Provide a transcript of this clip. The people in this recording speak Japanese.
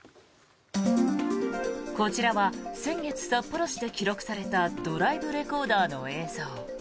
こちらは先月札幌市で記録されたドライブレコーダーの映像。